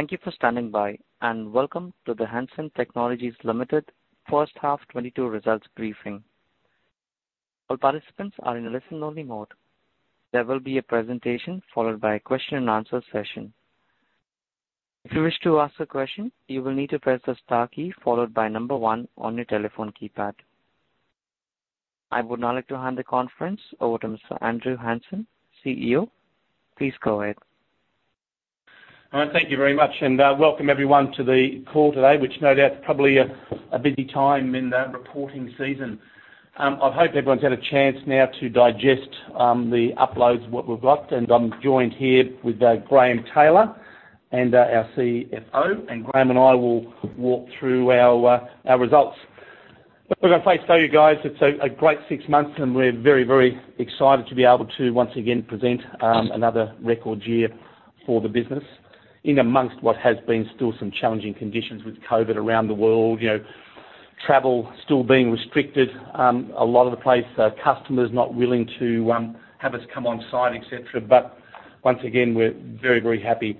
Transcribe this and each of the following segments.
Thank you for standing by and welcome to the Hansen Technologies Limited H1 2022 Results Briefing. All participants are in a listen-only mode. There will be a presentation followed by a question-and-answer session. If you wish to ask a question, you will need to press the star key followed by one on your telephone keypad. I would now like to hand the conference over to Mr. Andrew Hansen, CEO. Please go ahead. All right. Thank you very much and welcome everyone to the call today, which no doubt is probably a busy time in the reporting season. I hope everyone's had a chance now to digest the uploads, what we've got, and I'm joined here with Graeme Taylor and our CFO, and Graeme and I will walk through our results. We're gonna first tell you guys it's a great six months and we're very, very excited to be able to once again present another record year for the business in among what has been still some challenging conditions with COVID around the world. You know, travel still being restricted, a lot of the places, customers not willing to have us come on-site, et cetera, but once again, we're very, very happy.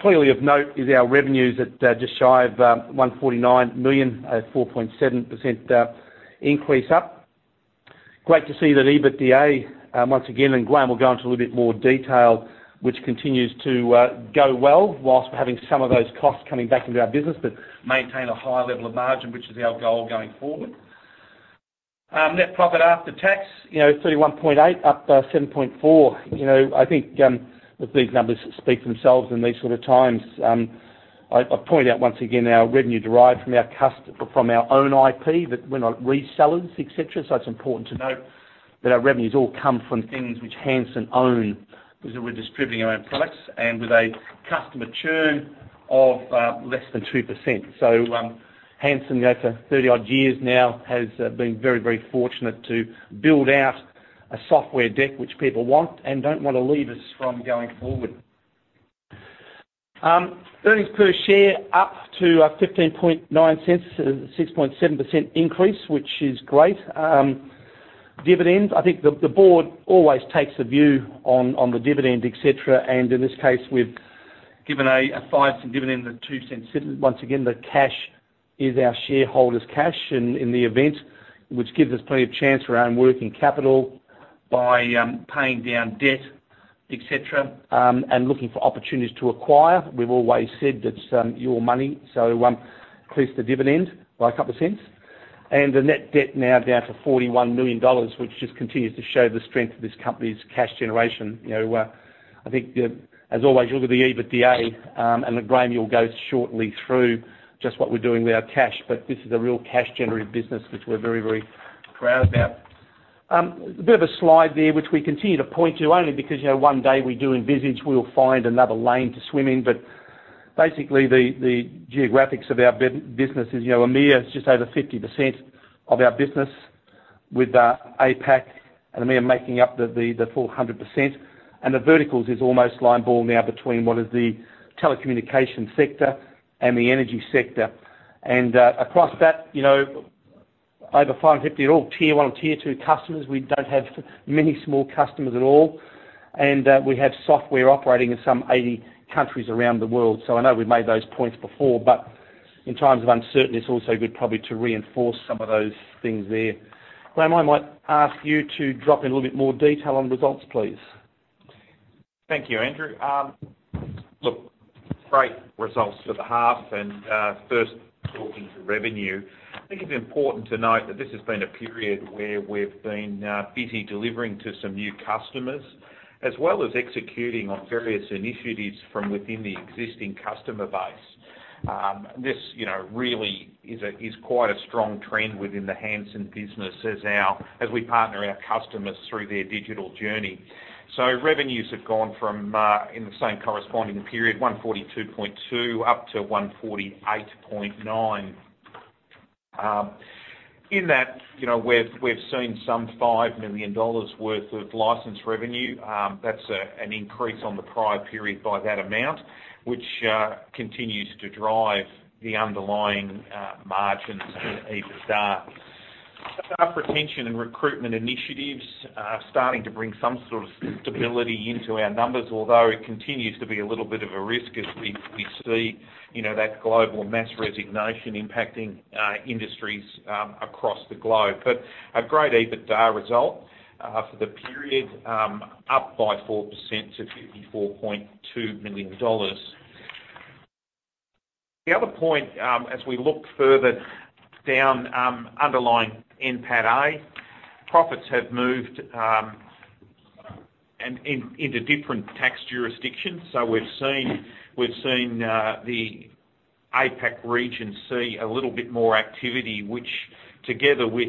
Clearly of note is our revenues at just shy of 149 million at 4.7% increase up. Great to see that EBITDA once again, and Graeme will go into a little bit more detail, which continues to go well while we're having some of those costs coming back into our business, but maintain a high level of margin, which is our goal going forward. Net profit after tax, you know, 31.8 million up 7.4%. You know, I think these numbers speak for themselves in these sorts of times. I point out once again our revenue derived from our own IP that we're not resellers, et cetera. It's important to note that our revenues all come from things which Hansen own because we're distributing our own products and with a customer churn of less than 2%. Hansen goes for 30-odd years now has been very, very fortunate to build out a software deck which people want and don't wanna leave us from going forward. Earnings per share up to 0.159, 6.7% increase, which is great. Dividends, I think the board always takes a view on the dividend, et cetera. In this case, we've given a 0.05 dividend and 0.02 once again, the cash is our shareholders cash in the event, which gives us plenty of chance for our own working capital by paying down debt, et cetera, and looking for opportunities to acquire. We've always said it's your money, so increase the dividend by a couple cents. The net debt now down to 41 million dollars, which just continues to show the strength of this company's cash generation. I think as always, look at the EBITDA, and Graeme will go shortly through just what we're doing with our cash. This is a real cash generative business which we're very, very proud about. A bit of a slide there which we continue to point to only because one day we do envisage we'll find another lane to swim in. Basically, the geographics of our business is EMEA is just over 50% of our business with APAC and EMEA making up the full 100%. The verticals is almost line ball now between what is the telecommunication sector and the energy sector. Across that, you know, over 550 are all tier one or tier two customers. We don't have many small customers at all. We have software operating in some 80 countries around the world. I know we've made those points before, but in times of uncertainty, it's also good probably to reinforce some of those things there. Graeme, I might ask you to drop in a little bit more detail on results, please. Thank you, Andrew. Look, great results for the half and first turning to revenue. I think it's important to note that this has been a period where we've been busy delivering to some new customers, as well as executing on various initiatives from within the existing customer base. This, you know, really is quite a strong trend within the Hansen business as we partner our customers through their digital journey. Revenues have gone from, in the same corresponding period, 142.2 up to 148.9. In that, you know, we've seen some 5 million dollars worth of license revenue. That's an increase on the prior period by that amount, which continues to drive the underlying margins and EBITDA. Staff retention and recruitment initiatives are starting to bring some sort of stability into our numbers, although it continues to be a little bit of a risk as we see, you know, that global mass resignation impacting industries across the globe. A great EBITDA result for the period up by 4% to 54.2 million dollars. The other point as we look further down underlying NPATA profits have moved and into different tax jurisdictions. We've seen the APAC region see a little bit more activity, which together with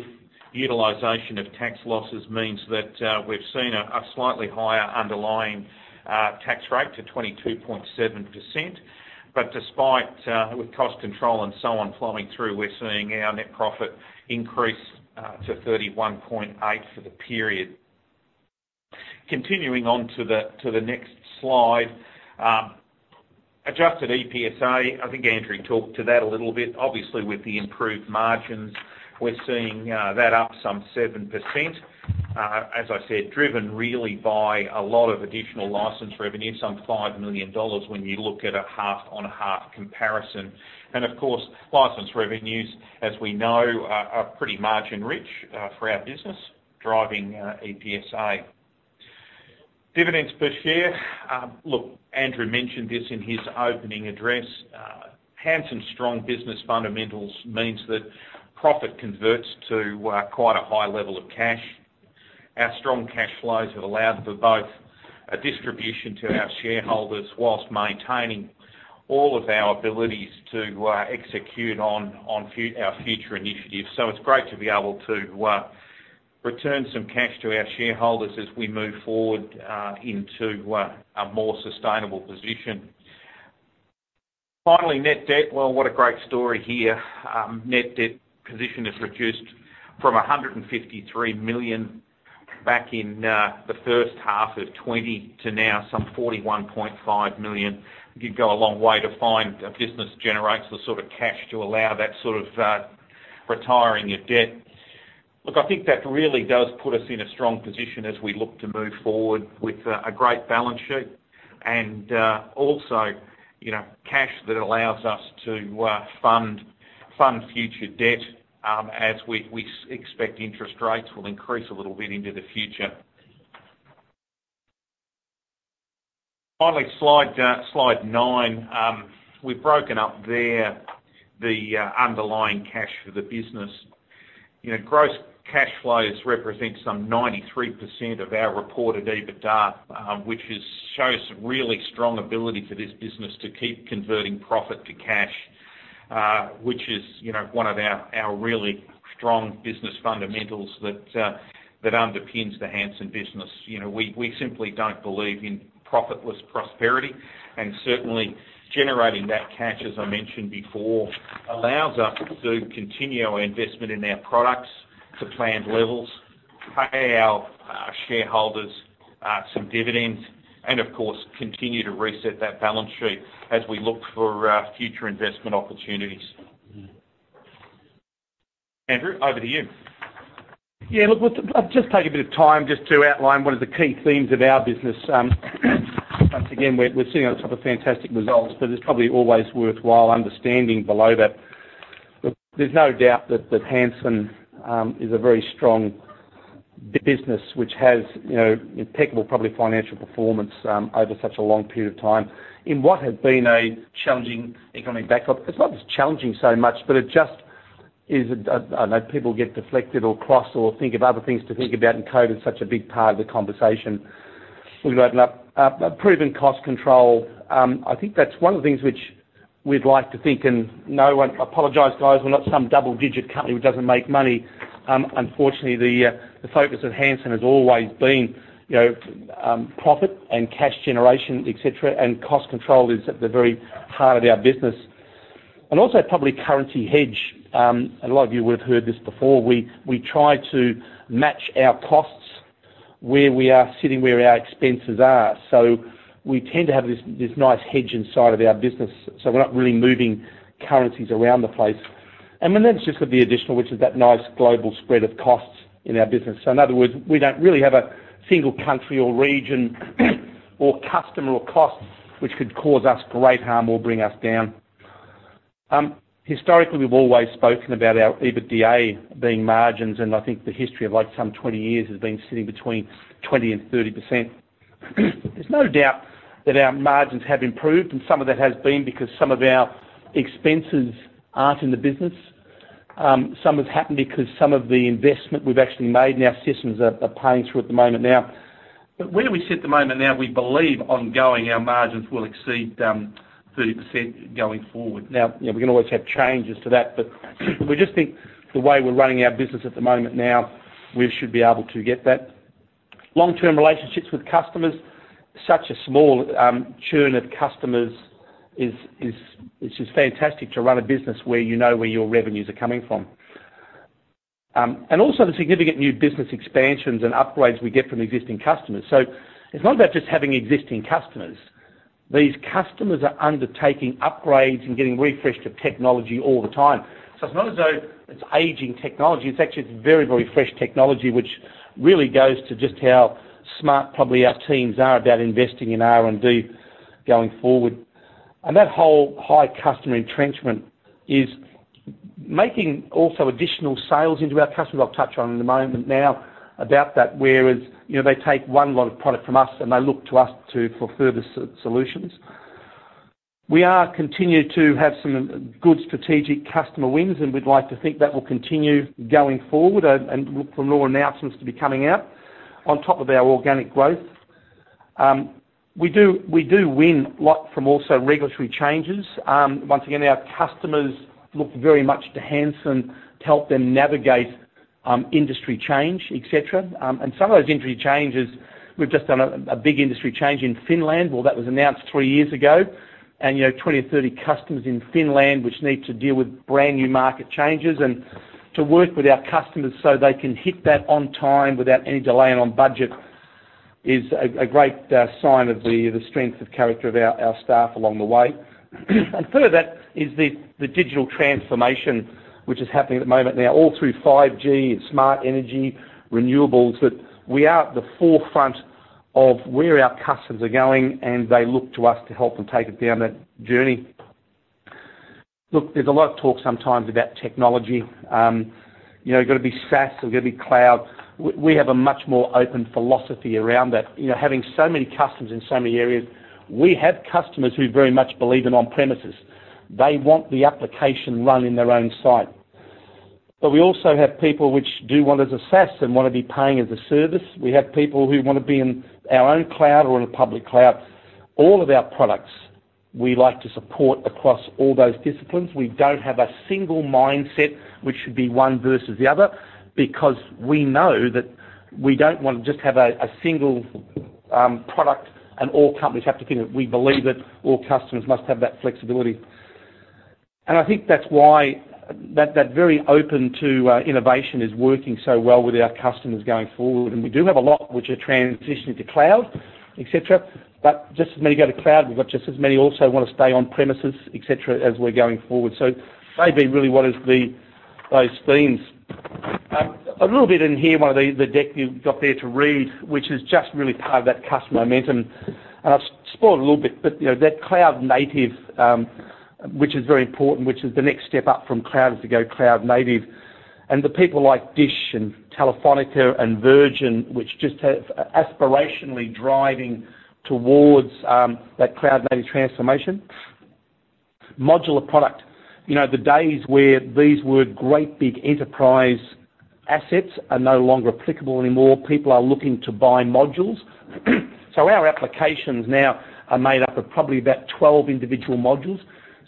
utilization of tax losses, means that we've seen a slightly higher underlying tax rate to 22.7%. Despite with cost control and so on flowing through, we're seeing our net profit increase to 31.8 for the period. Continuing on to the next slide. Adjusted EPSA, I think Andrew talked to that a little bit. Obviously, with the improved margins, we're seeing that up some 7%. As I said, driven really by a lot of additional license revenue, some 5 million dollars when you look at a half-on-half comparison. Of course, license revenues, as we know, are pretty margin rich for our business driving EPSA. Dividends per share. Look, Andrew mentioned this in his opening address. Having some strong business fundamentals means that profit converts to quite a high level of cash. Our strong cash flows have allowed for both a distribution to our shareholders while maintaining all of our abilities to execute on our future initiatives. It's great to be able to return some cash to our shareholders as we move forward into a more sustainable position. Finally, net debt. Well, what a great story here. Net debt position has reduced from 153 million back in the H1 of 2020 to now some 41.5 million. You go a long way to find a business generates the sort of cash to allow that sort of retiring of debt. Look, I think that really does put us in a strong position as we look to move forward with a great balance sheet. Also, you know, cash that allows us to fund future debt as we expect interest rates will increase a little bit into the future. Finally, slide nine. We've broken up there the underlying cash for the business. You know, gross cash flows represent some 93% of our reported EBITDA, which shows some really strong ability for this business to keep converting profit to cash, which is, you know, one of our really strong business fundamentals that underpins the Hansen business. You know, we simply don't believe in profitless prosperity, and certainly generating that cash, as I mentioned before, allows us to continue our investment in our products to planned levels, pay our shareholders some dividends, and of course, continue to reset that balance sheet as we look for future investment opportunities. Andrew, over to you. Look, I'll just take a bit of time just to outline one of the key themes of our business. Once again, we're sitting on top of fantastic results, but it's probably always worthwhile understanding below that. Look, there's no doubt that Hansen is a very strong business which has, you know, impeccable public financial performance over such a long period of time in what has been a challenging economic backdrop. It's not as challenging so much, but it just is. I know people get distracted or confused or think of other things to think about, and COVID is such a big part of the conversation. We've got a proven cost control. I think that's one of the things which we'd like to think and know. I apologize, guys. We're not some double-digit company who doesn't make money. Unfortunately, the focus of Hansen has always been, you know, profit and cash generation, et cetera, and cost control is at the very heart of our business. Also probably currency hedge. A lot of you would have heard this before. We try to match our costs where we are sitting, where our expenses are. We tend to have this nice hedge inside of our business, so we're not really moving currencies around the place. It's just got the additional, which is that nice global spread of costs in our business. In other words, we don't really have a single country or region or customer or cost which could cause us great harm or bring us down. Historically, we've always spoken about our EBITDA being margins, and I think the history of like some 20 years has been sitting between 20% and 30%. There's no doubt that our margins have improved, and some of that has been because some of our expenses aren't in the business. Some has happened because some of the investment we've actually made in our systems are paying through at the moment now. Where we sit at the moment now, we believe ongoing, our margins will exceed 30% going forward. Now, you know, we can always have changes to that, but we just think the way we're running our business at the moment now, we should be able to get that. Long-term relationships with customers. Such a small churn of customers is, it's just fantastic to run a business where you know where your revenues are coming from. Also the significant new business expansions and upgrades we get from existing customers. It's not about just having existing customers. These customers are undertaking upgrades and getting refreshed with technology all the time. It's not as though it's aging technology. It's actually very, very fresh technology, which really goes to just how smart probably our teams are about investing in R&D going forward. That whole high customer entrenchment is making also additional sales into our customers. I'll touch on in a moment now about that, whereas, you know, they take one lot of products from us and they look to us to, for further solutions. We continue to have some good strategic customer wins, and we'd like to think that will continue going forward and look for more announcements to be coming out on top of our organic growth. We also win a lot from regulatory changes. Once again, our customers look very much to Hansen to help them navigate industry change, et cetera. Some of those industry changes, we've just done a big industry change in Finland. Well, that was announced three years ago. You know, 20 or 30 customers in Finland which need to deal with brand-new market changes and work with our customers so they can hit that on time without any delay and on budget. It is a great sign of the strength of character of our staff along the way. Part of that is the digital transformation, which is happening at the moment now all through 5G and smart energy renewables, that we are at the forefront of where our customers are going, and they look to us to help them take it down that journey. Look, there's a lot of talk sometimes about technology. You know, you've got to be SaaS, you've got to be cloud. We have a much more open philosophy around that. You know, having so many customers in so many areas, we have customers who very much believe in on-premises. They want the application run in their own site. But we also have people which do want it as a SaaS and wanna be paying as a service. We have people who wanna be in our own cloud or in a public cloud. All of our products, we like to support across all those disciplines. We don't have a single mindset, which should be one versus the other, because we know that we don't want to just have a single product and all companies have to fit it. We believe that all customers must have that flexibility. I think that's why that very open to innovation is working so well with our customers going forward. We do have a lot which are transitioning to cloud, et cetera, but just as many go to cloud, we've got just as many also wanna stay on premises, et cetera, as we're going forward. They've been really what are those themes. A little bit in here, one of the decks you've got there to read, which is just really part of that customer momentum. I've spoiled a little bit, but, you know, that cloud native, which is very important, which is the next step up from cloud, is to go cloud native. The people like DISH and Telefónica and Virgin, which just have, are aspirationally driving towards, that cloud native transformation. Modular product. You know, the days where these were great big enterprise assets are no longer applicable anymore. People are looking to buy modules. Our applications now are made up of probably about 12 individual modules.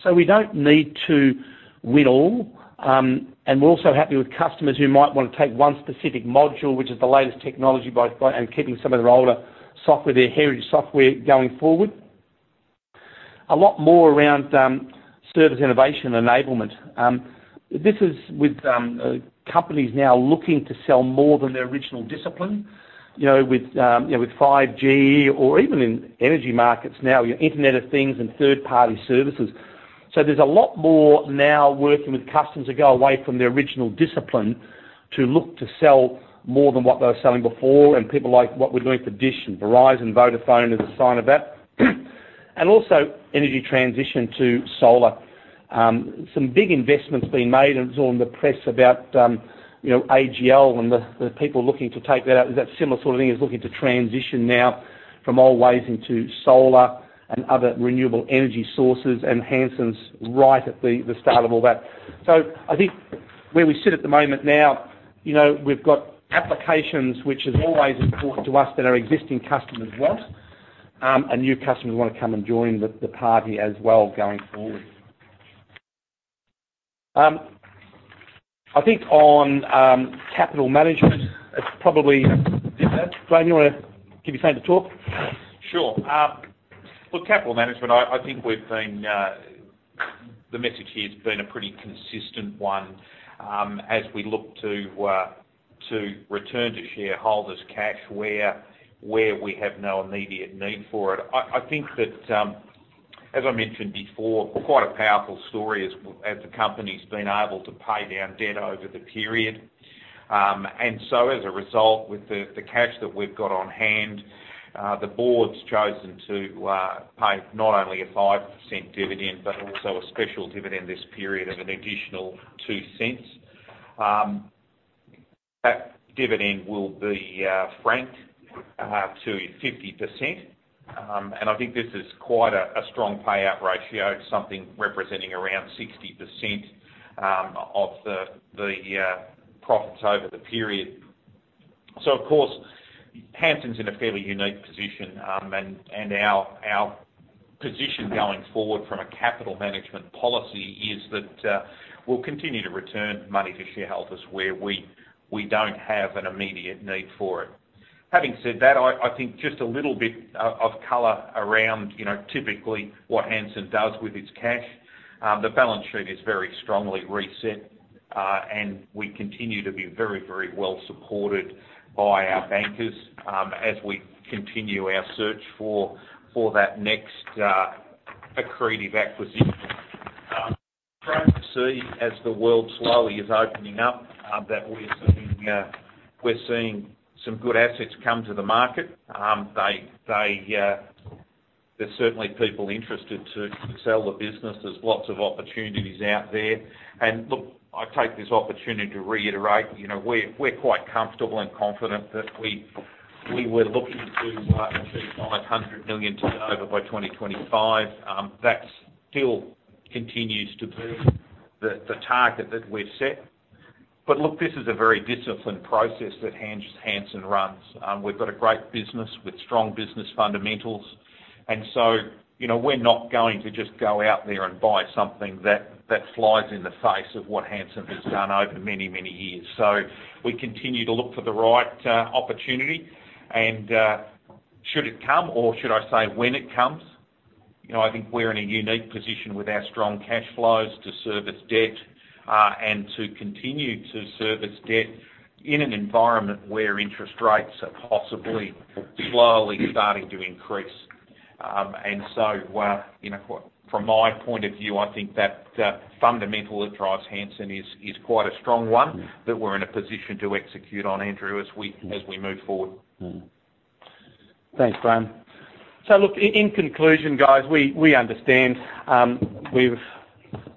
So we don't need to win all. We're also happy with customers who might wanna take one specific module, which is the latest technology by and keeping some of their older software, their heritage software going forward. A lot more around, service innovation enablement. This is with companies now looking to sell more than their original discipline, you know, with 5G or even in energy markets now, the Internet of Things and third-party services. There's a lot more now working with customers to go away from their original discipline to look to sell more than what they were selling before, and people like what we're doing for DISH and Verizon, Vodafone is a sign of that. Also energy transition to solar. Some big investments being made, and it was all in the press about, you know, AGL and the people looking to take that out. That similar sort of thing is looking to transition now from old ways into solar and other renewable energy sources. Hansen's right at the start of all that. I think where we sit at the moment now, you know, we've got applications which is always important to us that our existing customers want, and new customers want to come and join the party as well going forward. I think on capital management, it's probably Graeme, you wanna keep staying to talk? Sure. Look, capital management, I think the message here has been a pretty consistent one, as we look to return to shareholders cash where we have no immediate need for it. I think that, as I mentioned before, quite a powerful story as the company's been able to pay down debt over the period. As a result, with the cash that we've got on hand, the board's chosen to pay not only a 5% dividend, but also a special dividend this period of an additional 0.02. That dividend will be franked to 50%. I think this is quite a strong payout ratio. It's something representing around 60% of the profits over the period. Of course, Hansen's in a fairly unique position, and our position going forward from a capital management policy is that we'll continue to return money to shareholders where we don't have an immediate need for it. Having said that, I think just a little bit of color around, you know, typically what Hansen does with its cash. The balance sheet is very strongly reset, and we continue to be very, very well supported by our bankers, as we continue our search for that next accretive acquisition. Trying to see as the world slowly is opening up, that we're seeing some good assets come to the market. There are certainly people interested to sell the business. There's lots of opportunities out there. Look, I take this opportunity to reiterate, you know, we're quite comfortable and confident that we were looking to do 500 million turnover by 2025. That still continues to be the target that we've set. Look, this is a very disciplined process that Hansen runs. We've got a great business with strong business fundamentals, and so, you know, we're not going to just go out there and buy something that flies in the face of what Hansen has done over many years. We continue to look for the right opportunity, and should it come, or should I say when it comes. You know, I think we're in a unique position with our strong cash flows to service debt, and to continue to service debt in an environment where interest rates are possibly slowly starting to increase. You know, from my point of view, I think that fundamental that drives Hansen is quite a strong one, that we're in a position to execute on, Andrew, as we move forward. Thanks, Graeme. Look, in conclusion, guys, we understand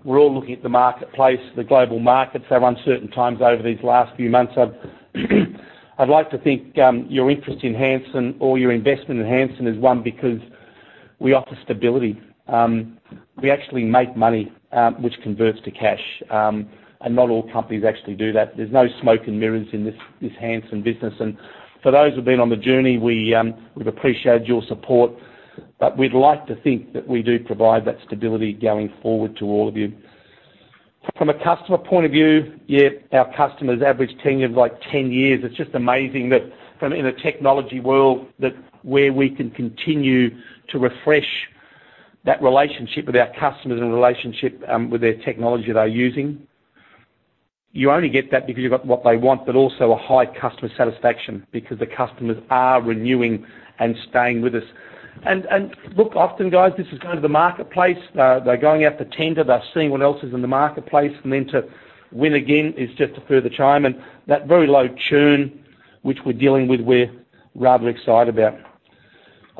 we're all looking at the marketplace, the global markets have uncertain times over these last few months. I'd like to think your interest in Hansen or your investment in Hansen is one because we offer stability. We actually make money, which converts to cash. Not all companies actually do that. There's no smoke and mirrors in this Hansen business. For those who've been on the journey, we've appreciated your support. We'd like to think that we do provide that stability going forward to all of you. From a customer point of view, our customers' average tenure is like 10 years. It's just amazing that in a technology world that where we can continue to refresh that relationship with our customers and relationship, with their technology they're using. You only get that because you've got what they want, but also a high customer satisfaction because the customers are renewing and staying with us. Look, often, guys, this is going to the marketplace. They're going out to tender, they're seeing what else is in the marketplace, and then to win again is just a further chime. That very low churn, which we're dealing with, we're rather excited about.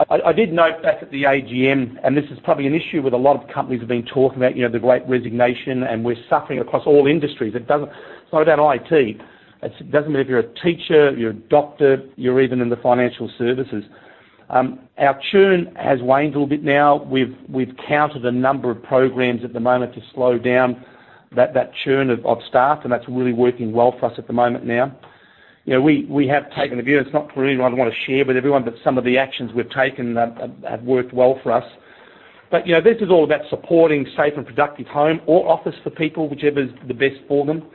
I did note back at the AGM, and this is probably an issue with a lot of companies have been talking about, you know, the great resignation, and we're suffering across all industries. It's not about IT. It doesn't matter if you're a teacher, you're a doctor, you're even in the financial services. Our churn has waned a little bit now. We've countered a number of programs at the moment to slow down that churn of staff, and that's really working well for us at the moment now. You know, we have taken a view, and it's not for everyone to want to share with everyone, but some of the actions we've taken have worked well for us. You know, this is all about supporting safe and productive home or office for people, whichever is the best for them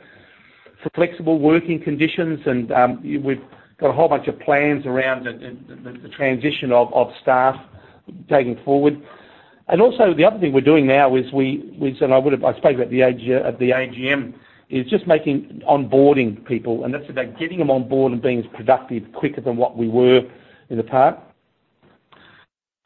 for flexible working conditions, and we've got a whole bunch of plans around the transition of staff taking forward. The other thing we're doing now is I spoke about at the AGM, is just making onboarding people, and that's about getting them on board and being as productive quicker than what we were in the past.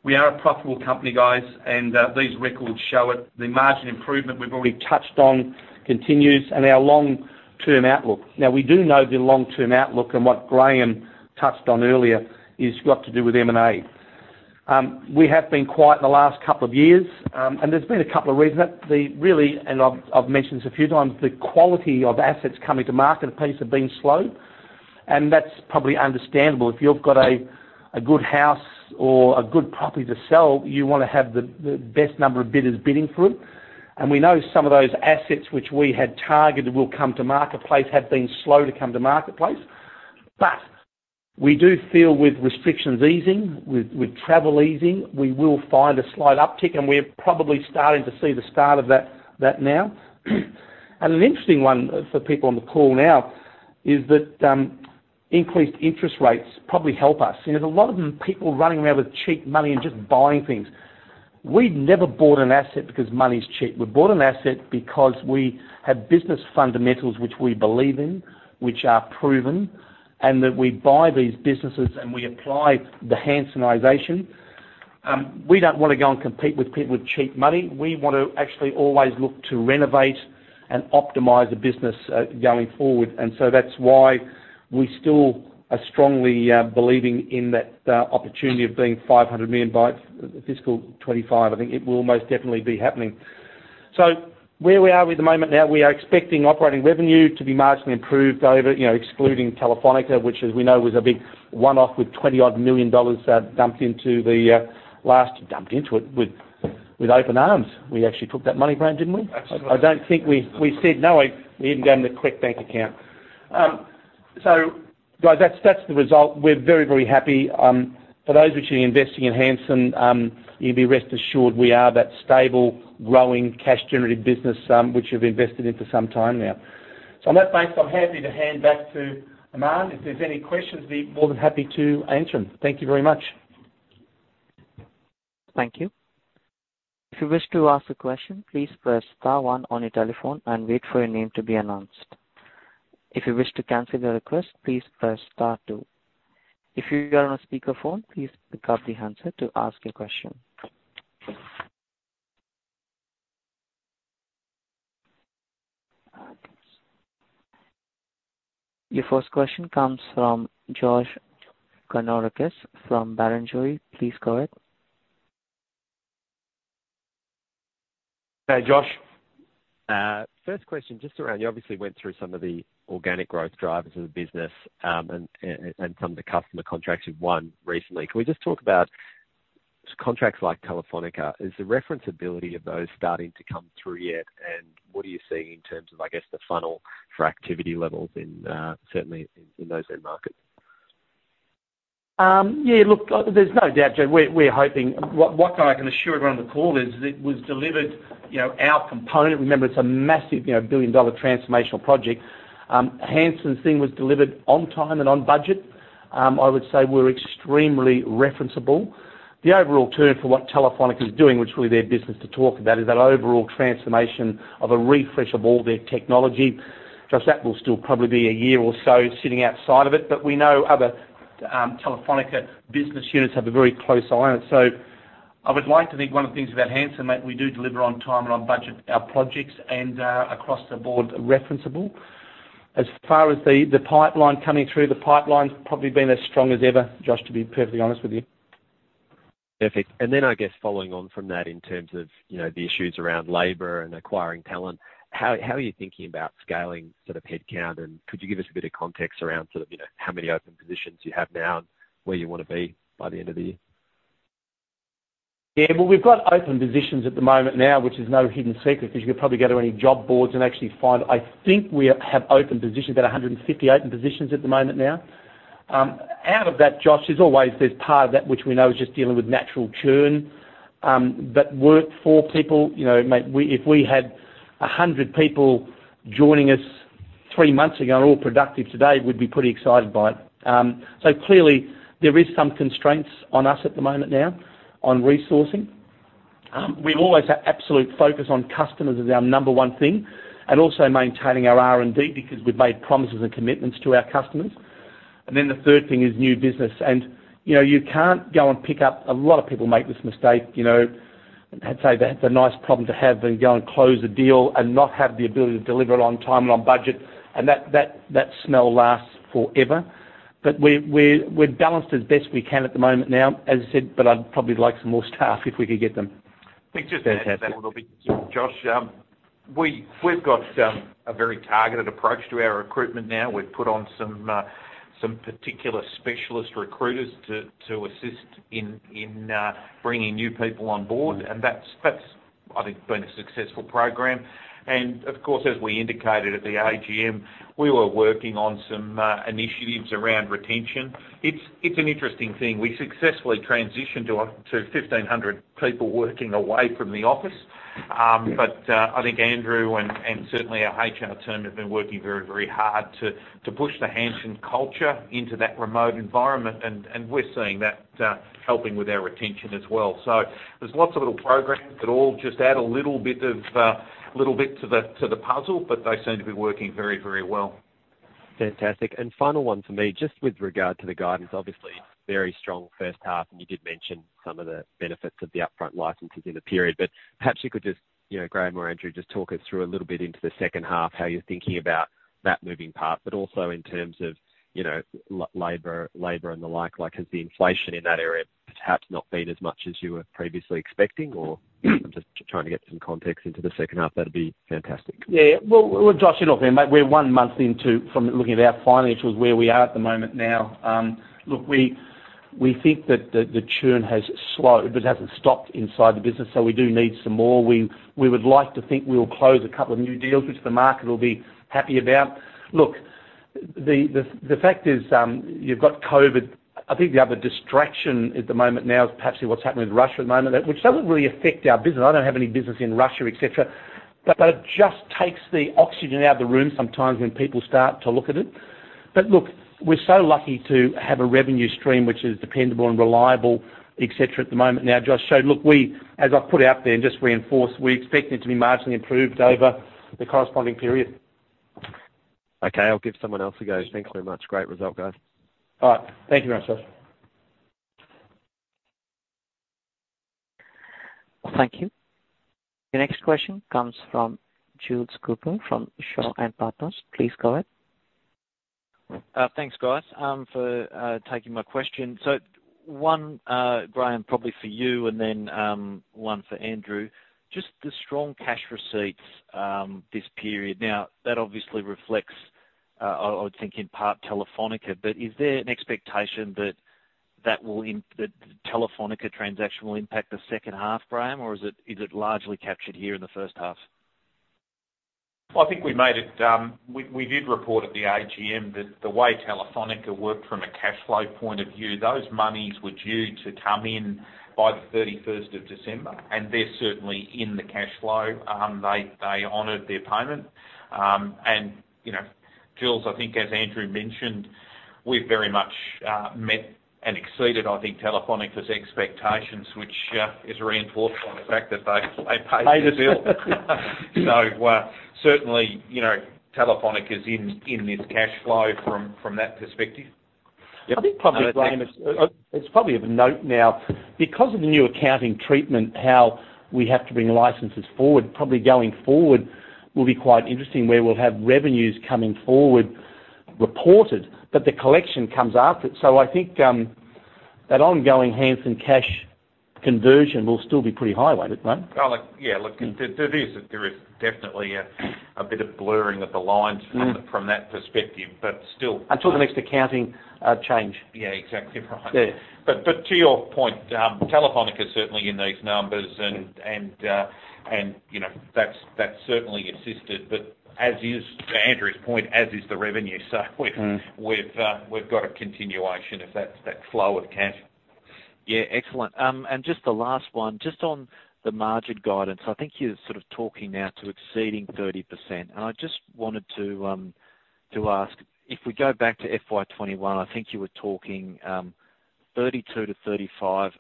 We are a profitable company, guys, and these records show it. The margin improvement we've already touched on continues and our long-term outlook. Now, we do know the long-term outlook, and what Graeme touched on earlier is got to do with M&A. We have been quiet in the last couple of years, and there's been a couple of reasons. Really, and I've mentioned this a few times, the quality of assets coming to marketplace have been slow, and that's probably understandable. If you've got a good house or a good property to sell, you wanna have the best number of bidders bidding for it. We know some of those assets which we had targeted will come to marketplace have been slow to come to marketplace. We do feel with restrictions easing, with travel easing, we will find a slight uptick, and we're probably starting to see the start of that now. An interesting one for people on the call now is that increased interest rates probably help us. You know, there's a lot of them people running around with cheap money and just buying things. We've never bought an asset because money is cheap. We bought an asset because we have business fundamentals which we believe in, which are proven, and that we buy these businesses and we apply the Hansenisation. We don't wanna go and compete with people with cheap money. We want to actually always look to renovate and optimize the business, going forward. That's why we still are strongly believing in that opportunity of being 500 million by fiscal 2025. I think it will most definitely be happening. Where we are at the moment now, we are expecting operating revenue to be marginally improved over, you know, excluding Telefónica, which, as we know, was a big one-off with 20-odd million dollars dumped into it with open arms. We actually took that money, Graeme, didn't we? Absolutely. I don't think we said no. We even gave them the client bank account. Guys, that's the result. We're very happy. For those of you investing in Hansen, you'll be rest assured we are that stable, growing cash generative business, which you've invested in for some time now. On that note, I'm happy to hand back to Amali. If there's any questions, I'll be more than happy to answer them. Thank you very much. Your first question comes from Josh Kannourakis from Barrenjoey. Please go ahead. Hey, Josh. First question, just around, you obviously went through some of the organic growth drivers of the business, and some of the customer contracts you've won recently. Can we just talk about contracts like Telefónica? Is the referenceability of those starting to come through yet? And what are you seeing in terms of, I guess, the funnel for activity levels in, certainly in, those end markets? Yeah, look, there's no doubt, Josh. What I can assure everyone on the call is that it was delivered, you know, our component. Remember, it's a massive, you know, billion-dollar transformational project. Hansen's thing was delivered on time and on budget. I would say we're extremely referenceable. The overall term for what Telefónica is doing, which is really their business to talk about, is that overall transformation of a refresh of all their technology. Just that will still probably be a year or so sitting outside of it, but we know other Telefónica business units have a very close eye on it. I would like to think one of the things about Hansen, mate, we do deliver on time and on budget our projects and across the board referenceable. As far as the pipeline coming through, the pipeline's probably been as strong as ever, Josh, to be perfectly honest with you. Perfect. I guess following on from that in terms of, you know, the issues around labor and acquiring talent, how are you thinking about scaling sort of headcount? Could you give us a bit of context around sort of, you know, how many open positions you have now and where you wanna be by the end of the year? Yeah. Well, we've got open positions at the moment now, which is no hidden secret because you could probably go to any job boards and actually find, I think we have open positions, about 150 open positions at the moment now. Out of that, Josh, there's always this part of that which we know is just dealing with natural churn, but work for people. You know, mate, if we had 100 people joining us three months ago and all productive today, we'd be pretty excited by it. So clearly there is some constraints on us at the moment now on resourcing. We've always had absolute focus on customers as our number one thing, and also maintaining our R&D because we've made promises and commitments to our customers. The third thing is new business. You know, you can't go and pick up. A lot of people make this mistake, you know. I'd say that's a nice problem to have rather than go and close a deal and not have the ability to deliver it on time and on budget, and that smell lasts forever. We're balanced as best we can at the moment now. As I said, I'd probably like some more staff if we could get them. Fantastic. If I can just add to that a little bit, Josh. We've got a very targeted approach to our recruitment now. We've put on some particular specialist recruiters to assist in bringing new people on board. That's been a successful program. Of course, as we indicated at the AGM, we were working on some initiatives around retention. It's an interesting thing. We successfully transitioned up to 1,500 people working away from the office. I think Andrew and certainly our HR team have been working very hard to push the Hansen culture into that remote environment, and we're seeing that helping with our retention as well. There's lots of little programs that all just add a little bit to the puzzle, but they seem to be working very, very well. Fantastic. Final one for me, just with regard to the guidance, obviously very strong H1, and you did mention some of the benefits of the upfront licenses in the period. Perhaps you could just, you know, Graeme or Andrew, just talk us through a little bit into the H2, how you're thinking about that moving part. Also in terms of, you know, labor and the like, has the inflation in that area perhaps not been as much as you were previously expecting or? I'm just trying to get some context into the H2. That'd be fantastic. Yeah. Well, look, Josh, you know, mate, we're one month into from looking at our financials where we are at the moment now. Look, we think that the churn has slowed, but it hasn't stopped inside the business, so we do need some more. We would like to think we'll close a couple of new deals, which the market will be happy about. Look, the fact is, you've got COVID. I think the other distraction at the moment now is perhaps what's happening with Russia at the moment, which doesn't really affect our business. I don't have any business in Russia, et cetera. It just takes the oxygen out of the room sometimes when people start to look at it. Look, we're so lucky to have a revenue stream which is dependable and reliable, et cetera, at the moment now, Josh. Look, we, as I've put out there and just reinforce, we're expecting it to be marginally improved over the corresponding period. Okay, I'll give someone else a go. Thanks very much. Great result, guys. All right. Thank you very much, Josh. Thank you. The next question comes from Jules Cooper from Shaw and Partners. Please go ahead. Thanks, guys, for taking my question. One, Graeme, probably for you and then one for Andrew. Just the strong cash receipts this period. Now, that obviously reflects, I would think in part Telefónica, but is there an expectation that the Telefónica transaction will impact the H2, Graeme? Or is it largely captured here in the H1? Well, I think we made it. We did report at the AGM that the way Telefónica worked from a cash flow point of view, those monies were due to come in by the 31 December, and they're certainly in the cash flow. They honored the payment. You know, Jules, I think as Andrew mentioned, we've very much met and exceeded, I think, Telefónica's expectations, which is reinforced by the fact that they paid the bill. Paid the bill. Certainly, you know, Telefónica's in this cash flow from that perspective. I think probably, Graeme, it's probably of note now. Because of the new accounting treatment, how we have to bring licenses forward, probably going forward will be quite interesting, where we'll have revenues coming forward reported, but the collection comes after it. I think that ongoing Hansen cash conversion will still be pretty high, won't it, Graeme? Oh, look, yeah, look, there is definitely a bit of blurring of the lines from that perspective, but still. Until the next accounting change. Yeah, exactly right. Yeah. To your point, Telefónica's certainly in these numbers and, you know, that's certainly assisted, but as is, to Andrew's point, as is the revenue. We've Mm. We've got a continuation of that flow of cash. Yeah. Excellent. Just the last one, just on the margin guidance. I think you're sort of talking now to exceeding 30%. I just wanted to ask, if we go back to FY 2021, I think you were talking 32%-35%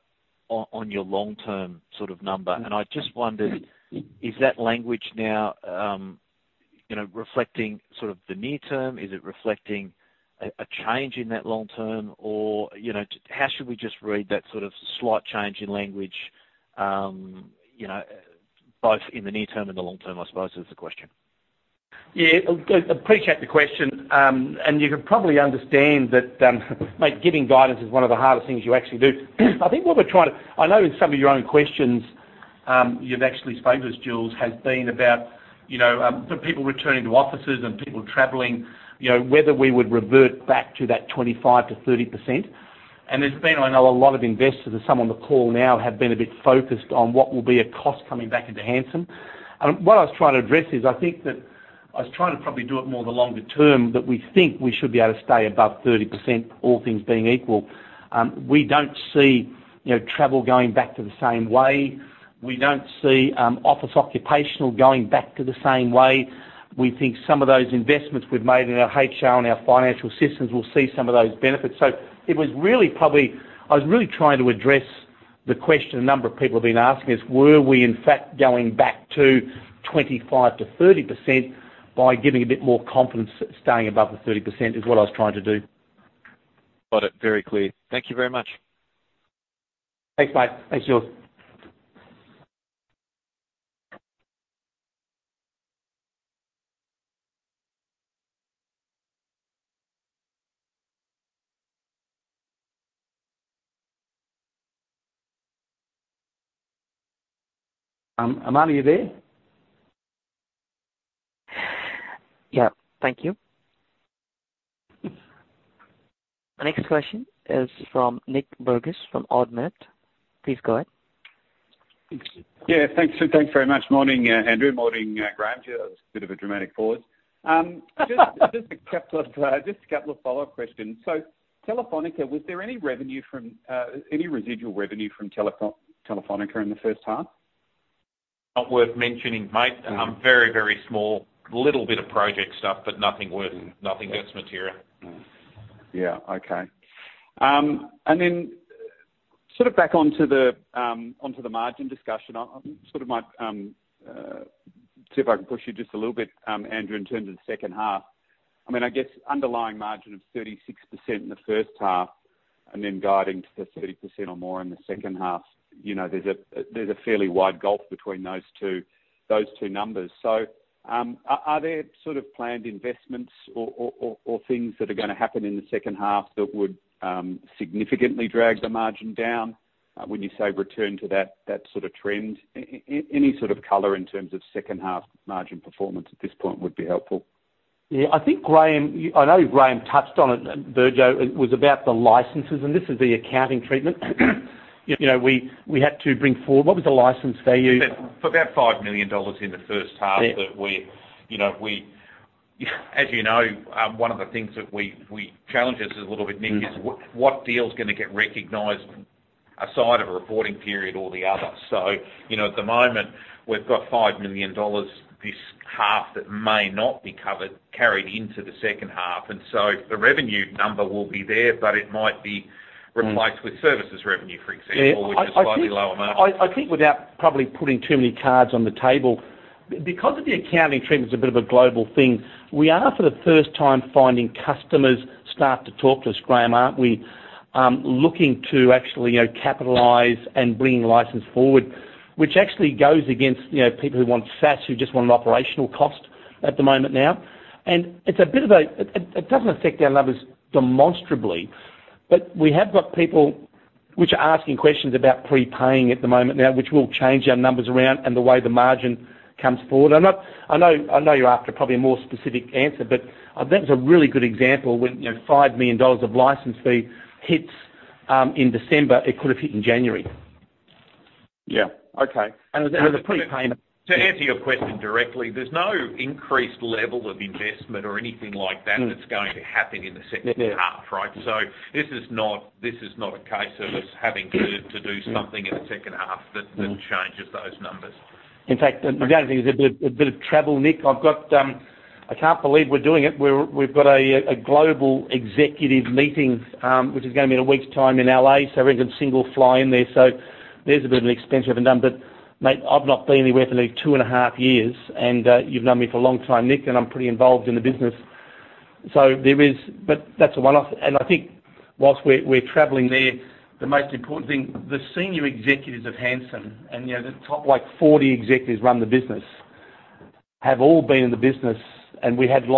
on your long-term sort of number. I just wondered, is that language now, you know, reflecting sort of the near term? Is it reflecting a change in that long term? Or, you know, how should we just read that sort of slight change in language, you know, both in the near term and the long term, I suppose is the question. Yeah. Look, appreciate the question. And you can probably understand that, like, giving guidance is one of the hardest things you actually do. I think I know in some of your own questions, you've actually spoken to Jules has been about, you know, the people returning to offices and people traveling, you know, whether we would revert back to that 25%-30%. And there's been, I know a lot of investors and some on the call now have been a bit focused on what will be a cost coming back into Hansen. And what I was trying to address is, I think that I was trying to probably do it more the longer term, but we think we should be able to stay above 30%, all things being equal. We don't see, you know, travel going back to the same way. We don't see office occupancy going back to the same way. We think some of those investments we've made in our HR and our financial systems, we'll see some of those benefits. It was really I was really trying to address the question a number of people have been asking is, were we in fact going back to 25%-30% by giving a bit more confidence staying above the 30% is what I was trying to do. Got it. Very clear. Thank you very much. Thanks, mate. Thanks, Jules. Amali, are you there? Yeah. Thank you. The next question is from Nicolas Burgess from Ord Minnett. Please go ahead. Thanks. Thanks very much. Morning, Andrew. Morning, Graeme. That was a bit of a dramatic pause. Just a couple of follow-up questions. Telefónica, was there any revenue from any residual revenue from Telefónica in the H1? Not worth mentioning, mate. All right. Very small. Little bit of project stuff, but nothing that's material. Yeah. Okay. Then sort of back onto the margin discussion, I sort of might see if I can push you just a little bit, Andrew, in terms of the H2. I mean, I guess underlying margin of 36% in the H1 and then guiding to the 30% or more in the H2, you know, there's a fairly wide gulf between those two numbers. Are there sort of planned investments or things that are gonna happen in the H2 that would significantly drag the margin down when you say return to that sort of trend? Any sort of color in terms of H2 margin performance at this point would be helpful. Yeah. I think Graeme, I know Graeme touched on it, Virgo. It was about the licenses, and this is the accounting treatment. You know, we had to bring forward what was the license ...value for about 5 million dollars in the H1. Yeah, ...that we, you know, we. As you know, one of the things that challenges us is a little bit, Nicolas, is what deal is gonna get recognized across a reporting period or the other. You know, at the moment we've got 5 million dollars this half that may not be covered, carried into the H2. The revenue number will be there, but it might be replaced with services revenue, for example. Yeah. I think, which is slightly lower margin. I think without probably putting too many cards on the table, because of the accounting treatment, it's a bit of a global thing, we are for the first time finding customers start to talk to us, Graeme, aren't we? Looking to actually, you know, capitalize and bringing the license forward, which actually goes against, you know, people who want SaaS, who just want an operational cost at the moment now. It's a bit of a. It doesn't affect our numbers demonstrably, but we have got people which are asking questions about prepaying at the moment now, which will change our numbers around and the way the margin comes forward. I know you're after probably a more specific answer, but that was a really good example when, you know, 5 million dollars of license fee hits in December. It could have hit in January. Yeah. Okay. It was a prepayment. To answer your question directly, there's no increased level of investment or anything like that that's going to happen in the H2, right? Yeah. This is not a case of us having to do something in the H2 that changes those numbers. In fact, the only thing is a bit of travel, Nicolas. I've got. I can't believe we're doing it. We've got a global executive meeting, which is gonna be in a week's time in L.A., so everyone's got to singly fly in there. There's a bit of an expense we haven't done. Mate, I've not been anywhere for nearly two and a half years, and you've known me for a long time, Nicolas, and I'm pretty involved in the business. There is. That's a one-off. I think while we're traveling there, the most important thing, the senior executives at Hansen, and you know, the top, like, 40 executives run the business, have all been in the business, and we had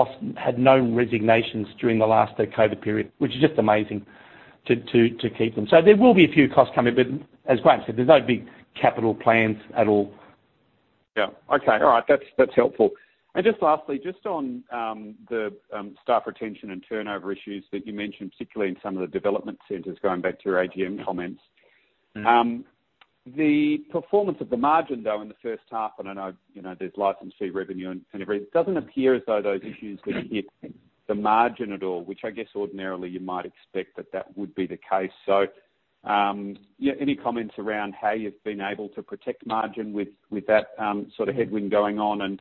no resignations during the last COVID period, which is just amazing to keep them. There will be a few costs coming, but as Graeme said, there's no big capital plans at all. Yeah. Okay. All right. That's helpful. Just lastly, just on the staff retention and turnover issues that you mentioned, particularly in some of the development centers, going back to your AGM comments. Mm-hmm. The performance of the margin, though, in the H1, and I know, you know, there's license fee revenue and everything. It doesn't appear as though those issues gonna hit the margin at all, which I guess ordinarily you might expect that would be the case. Yeah, any comments around how you've been able to protect margin with that sort of headwind going on?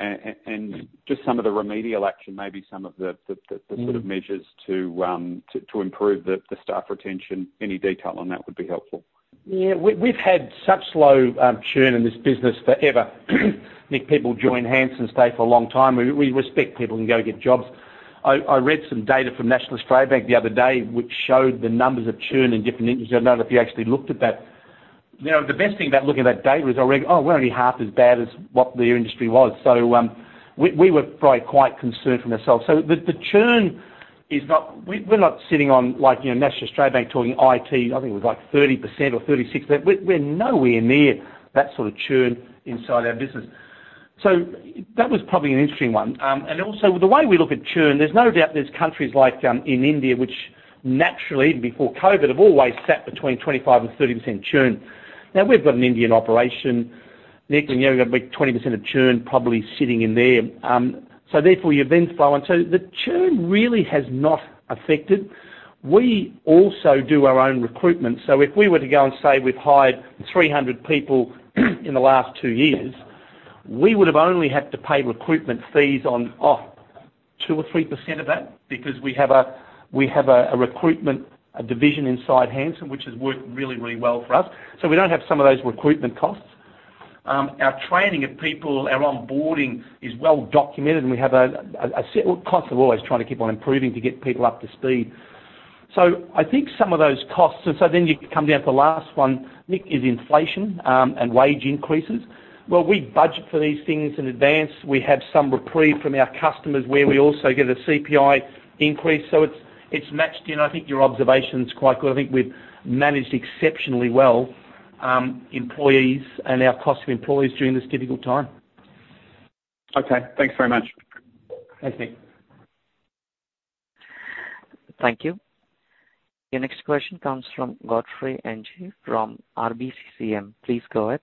And just some of the remedial action, maybe some of the sort of measures to improve the staff retention. Any detail on that would be helpful. Yeah. We've had such slow churn in this business forever. Nicolas, people join Hansen, stay for a long time. We respect people can go get jobs. I read some data from National Australia Bank the other day which showed the numbers of churn in different industries. I don't know if you actually looked at that. You know, the best thing about looking at that data is I went, "Oh, we're only half as bad as what their industry was." We were probably quite concerned for ourselves. The churn is not. We're not sitting on like, you know, National Australia Bank talking IT. I think it was like 30% or 36%. We're nowhere near that sort of churn inside our business. That was probably an interesting one. Also the way we look at churn, there's no doubt there's countries like in India, which naturally, before COVID, have always sat between 25%-30% churn. Now we've got an Indian operation, Nicolas, and you know we've got a big 20% of churn probably sitting in there. Therefore, you then flow on. The churn really has not affected. We also do our own recruitment. If we were to go and say we've hired 300 people in the last two years, we would have only had to pay recruitment fees on 2%-3% of that because we have a recruitment division inside Hansen, which has worked really, really well for us. We don't have some of those recruitment costs. Our training of people, our onboarding is well documented. Look, costs. We're always trying to keep on improving to get people up to speed. I think some of those costs, and so then you come down to the last one, Nicolas, is inflation, and wage increases. Well, we budget for these things in advance. We have some reprieve from our customers where we also get a CPI increase, so it's matched. You know, I think your observation's quite good. I think we've managed exceptionally well with employees and our cost of employees during this difficult time. Okay, thanks very much. Thanks, Nic. Thank you. Your next question comes from Godfrey Ng from RBCCM. Please go ahead.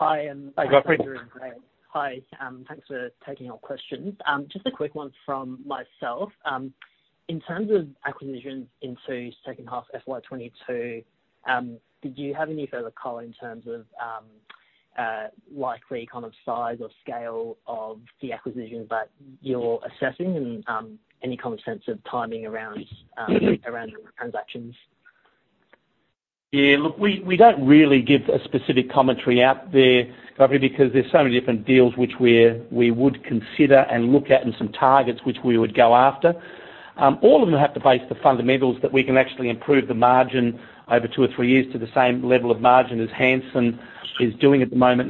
Hi. Godfrey. Hi, thanks for taking our questions. Just a quick one from myself. In terms of acquisitions into H2 FY 2022, did you have any further color in terms of likely kind of size or scale of the acquisitions that you're assessing and any common sense of timing around transactions? Yeah, look, we don't really give a specific commentary out there, Godfrey, because there are so many different deals which we would consider and look at and some targets which we would go after. All of them have to be based on the fundamentals that we can actually improve the margin over two or three years to the same level of margin as Hansen is doing at the moment.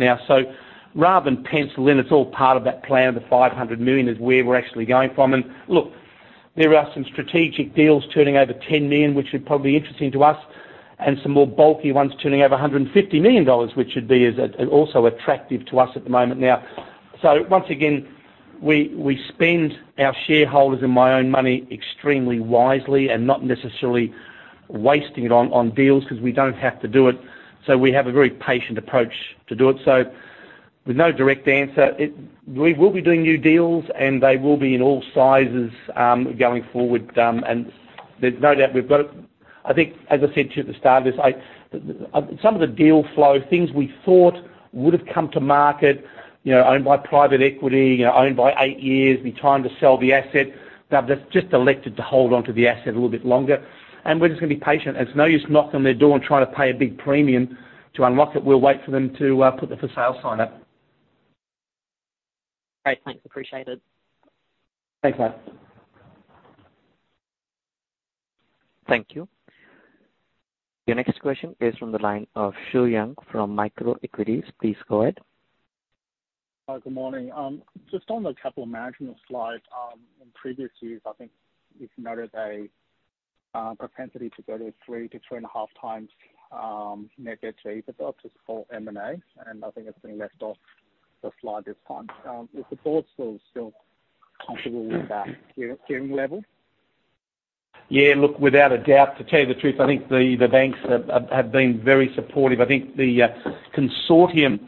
Rather than pencil in, it's all part of that plan of the 500 million is where we're actually going from. Look, there are some strategic deals turning over 10 million, which are probably interesting to us, and some more bulky ones turning over 150 million dollars, which would also be attractive to us at the moment. Once again, we spend our shareholders' and my own money extremely wisely and not necessarily wasting it on deals 'cause we don't have to do it. We have a very patient approach to do it. With no direct answer, we will be doing new deals, and they will be in all sizes, going forward. And there's no doubt we've got it. I think, as I said to you at the start of this, some of the deal flow, things we thought would have come to market, you know, owned by private equity, you know, owned for eight years and trying to sell the asset. Now they've just elected to hold onto the asset a little bit longer, and we're just gonna be patient. There's no use knocking on their door and trying to pay a big premium to unlock it. We'll wait for them to put the for sale sign up. Great. Thanks. I appreciate it. Thanks, mate. Thank you. Your next question is from the line of Shuo Yang from Microequities. Please go ahead. Hi, good morning. Just on the capital management slide, in previous years, I think you've noted a propensity to go to 3x-3.5x net debt to EBITDA for M&A, and I think it's been left off the slide this time. Is the board still comfortable with that gearing level? Yeah, look, without a doubt. To tell you the truth, I think the banks have been very supportive. I think the consortium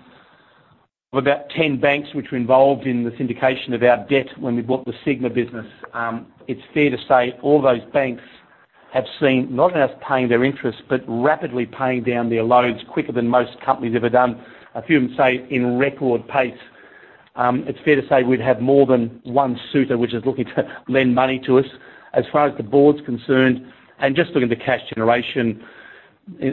of about 10 banks which were involved in the syndication of our debt when we bought the Sigma business, it's fair to say all those banks have seen not only us paying their interest, but rapidly paying down their loans quicker than most companies ever done. A few of them say in record pace. It's fair to say we'd have more than one suitor, which is looking to lend money to us. As far as the board's concerned, and just looking at the cash generation,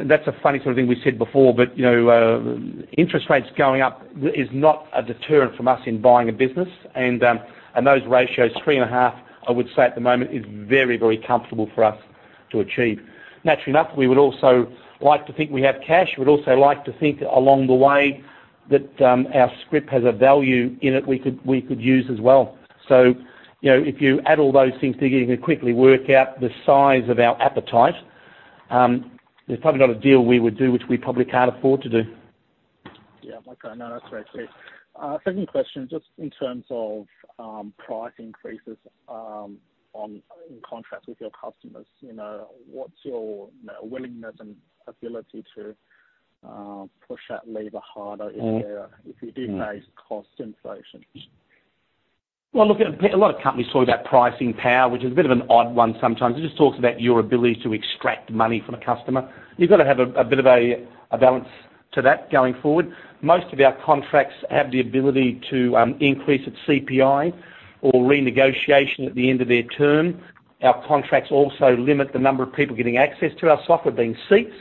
that's a funny sort of thing we said before, but, you know, interest rates going up is not a deterrent from us in buying a business. Those ratios, 3.5, I would say at the moment is very, very comfortable for us to achieve. Naturally enough, we would also like to think we have cash. We'd also like to think along the way that our scrip has a value in it we could use as well. You know, if you add all those things together, you can quickly work out the size of our appetite. There's probably not a deal we would do which we probably can't afford to do. Yeah. Okay. No, that's great. Thanks. Second question, just in terms of price increases, on in contracts with your customers, you know, what's your, you know, willingness and ability to push that lever harder if there, if you do face cost inflation? Well, look, a lot of companies talk about pricing power, which is a bit of an odd one sometimes. It just talks about your ability to extract money from a customer. You've got to have a bit of a balance to that going forward. Most of our contracts have the ability to increase its CPI or renegotiation at the end of their term. Our contracts also limit the number of people getting access to our software being seats,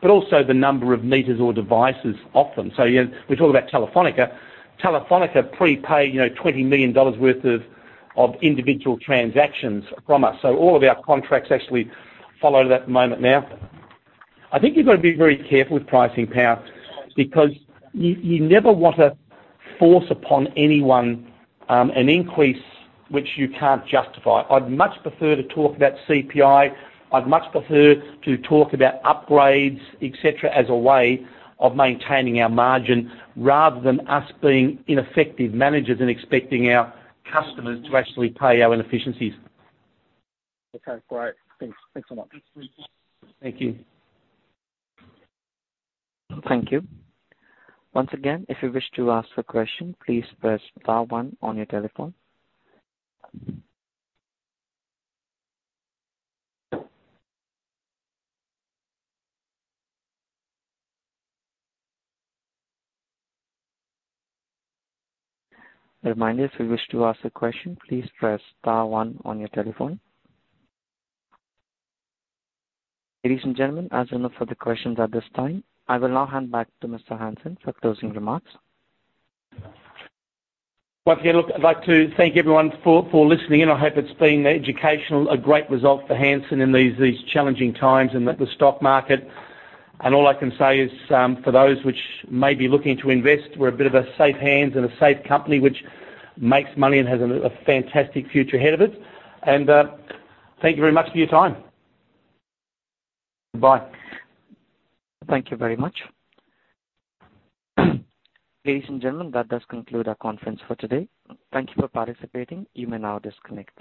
but also the number of meters or devices off them. So, you know, we talk about Telefónica. Telefónica prepay, you know, 20 million dollars worth of individual transactions from us. So all of our contracts actually follow that at the moment now. I think you've got to be very careful with pricing power because you never want to force upon anyone, an increase which you can't justify. I'd much prefer to talk about CPI. I'd much prefer to talk about upgrades, et cetera, as a way of maintaining our margin, rather than us being ineffective managers and expecting our customers to actually pay our inefficiencies. Okay. Great. Thanks. Thanks so much. Thank you. Thank you. Once again, if you wish to ask a question, please press star one on your telephone. A reminder, if you wish to ask a question, please press star one on your telephone. Ladies and gentlemen, as there are no further questions at this time, I will now hand back to Mr. Hansen for closing remarks. Once again, look, I'd like to thank everyone for listening in. I hope it's been educational, a great result for Hansen in these challenging times in the stock market. All I can say is, for those which may be looking to invest, we're a bit of a safe hands and a safe company which makes money and has a fantastic future ahead of it. Thank you very much for your time. Bye. Thank you very much. Ladies and gentlemen, that does conclude our conference for today. Thank you for participating. You may now disconnect.